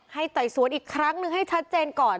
ไต่สวนอีกครั้งนึงให้ชัดเจนก่อน